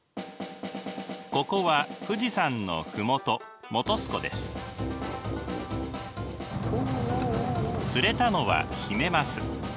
ここは富士山の麓釣れたのはヒメマス。